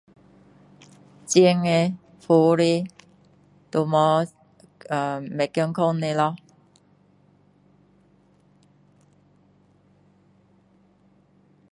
煎的炸的呃都是不健康的咯